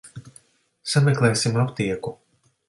Sameklēsim aptieku.